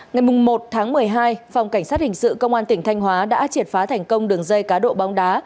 ngày một tháng một mươi hai phòng cảnh sát hình sự công an tỉnh thanh hóa đã triệt phá thành công đường dây cá độ bóng đá